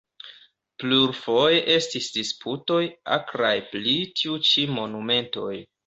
Plurfoje estis disputoj akraj pri tiu ĉi monumento.